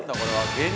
芸人？